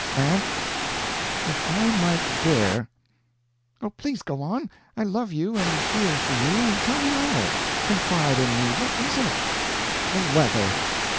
"Aunt, if I might dare " "Oh, please go on! I love you, and feel for you. Tell me all. Confide in me. What is it?" "The weather!"